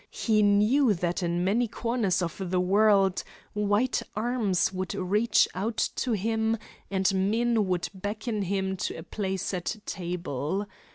He knew that in many corners of the world white arms would reach out to him and men would beckon him to a place at table.